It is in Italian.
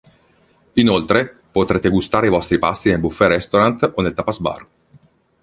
Inoltre, potrete gustare i vostri pasti nel Buffet-Restaurant o nel Tapas-Bar.